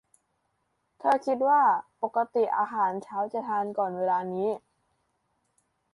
เธอคิดว่า ปกติอาหารเช้าจะทานก่อนเวลานี้นะ